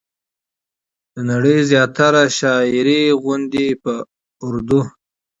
د نړۍ د زياتره شاعرۍ غوندې په اردو